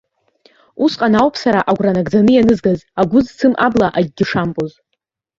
Усҟан ауп сара агәра нагӡаны ианызгаз, агәы зцым абла акгьы шамбоз.